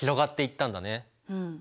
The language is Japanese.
うん。